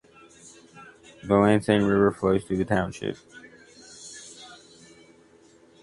The Lancang River flows through the township.